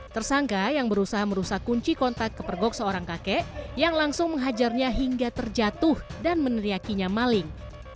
tersangka yang berusaha merusak kunci kontak kepergok seorang kakek yang langsung menghajarnya hingga terjatuh dan meneriakinya maling